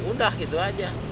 udah gitu aja